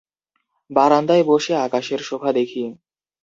বারান্দায় বসে আকাশের শোভা দেখি।